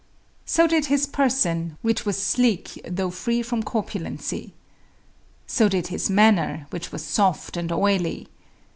So did his person, which was sleek though free from corpulency. So did his manner, which was soft and oily.